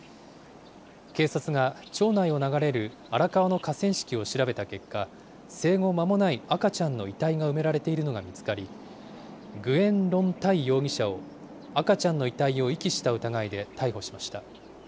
警察が町内を流れる荒川の河川敷を調べた結果、生後間もない赤ちゃんの遺体が埋められているのが見つかり、グエン・ロン・タイ容疑者を赤ちゃんの遺体を遺棄した疑いで逮捕しました。